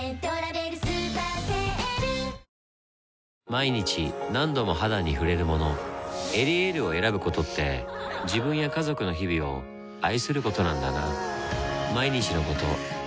毎日何度も肌に触れるもの「エリエール」を選ぶことって自分や家族の日々を愛することなんだなぁ